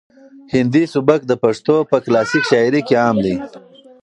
هندي سبک د پښتو په کلاسیک شاعري کې عام دی.